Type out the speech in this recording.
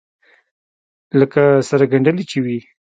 لکه سره گنډلې چې وي.